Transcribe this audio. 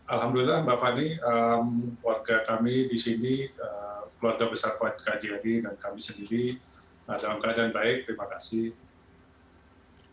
alhamdulillah mbak fani warga kami di sini keluarga besar kuat kjri dan kami sendiri dalam keadaan baik terima kasih